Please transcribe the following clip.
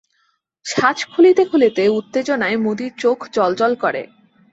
সাজ খুলিতে খুলিতে উত্তেজনায় মতির চোখ জ্বলজ্বল করে।